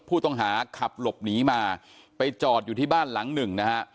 ผู้ต้องหาขับหลบหนีมาไปจอดอยู่ที่บ้านหลังหนึ่งนะฮะ